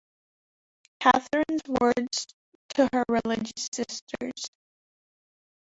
Catherine's words to her religious sisters.